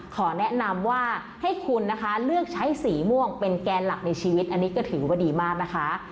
ขอแนะนำว่าให้คุณนะคะเลือกใช้สีม่วงเป็นแกนหลักในชีวิตอันนี้ก็ถือว่าดีมากนะคะ